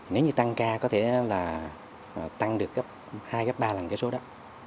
nếu như tăng ca có thể là tăng được hai ba lần cái số đó